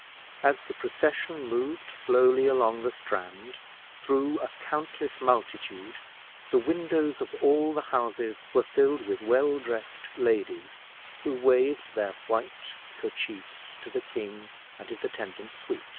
As the procession moved slowly along the Strand, through a countless multitude, the windows of all the houses were filled with well dressed ladies, who waved their white kerchiefs to the king and his attendant suit.